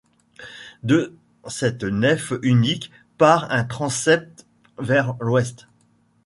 De cette nef unique, part un transept vers l'ouest.